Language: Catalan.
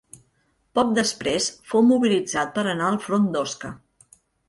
Poc després fou mobilitzat per anar al front d'Osca.